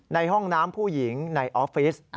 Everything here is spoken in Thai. ในห้องน้ำผู้หญิงในออฟฟิศ